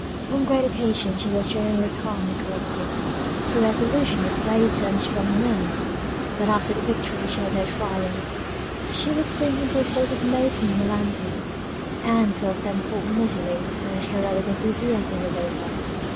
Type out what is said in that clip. On great occasions she was generally calm and collected, her resolution would brace her unstrung nerves; but after the victory she had no triumph; she would sink into a state of moping melancholy, and feel ten fold misery when the heroic enthusiasm was over.